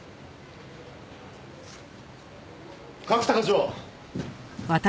角田課長！